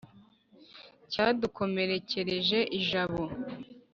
Cyadukomerekereje ijabo